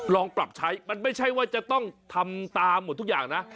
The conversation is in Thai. ลองปรับใช้มันไม่ใช่ว่าจะต้องทำตามหมดทุกอย่างนะ